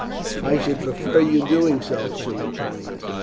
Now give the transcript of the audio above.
"I should prefer your doing so, Suetonius.